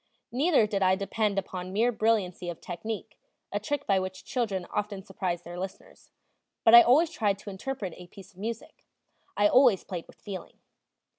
Neither did I depend upon mere brilliancy of technique, a trick by which children often surprise their listeners; but I always tried to interpret a piece of music; I always played with feeling.